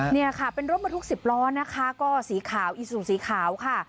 เนี่ยค่ะเป็นรถบรรทุก๑๐ล้อนะคะก็สีขาวอีซูสีขาวค่ะ